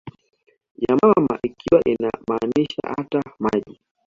ya mama ikiwa inamaanisha ata maji